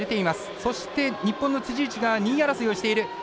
そして日本の辻内が２位争いをしている。